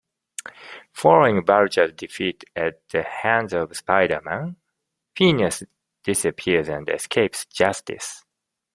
Following Vulture's defeat at the hands of Spider-Man, Phineas disappears and escapes justice.